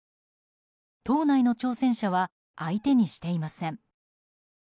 党内の挑戦者は相手にしていません。